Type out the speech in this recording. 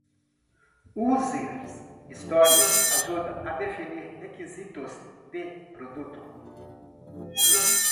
User Stories ajudam a definir requisitos de produto.